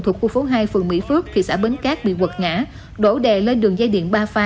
thuộc khu phố hai phường mỹ phước thị xã bến cát bị quật ngã đổ đè lên đường dây điện ba pha